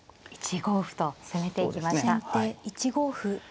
先手１五歩。